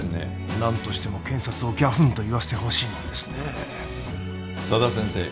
何としても検察をギャフンと言わせてほしいもんですね佐田先生